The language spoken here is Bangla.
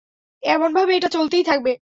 এমনভাবে এটা চলতেই থাকবে।